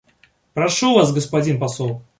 Прошу вас, господин посол.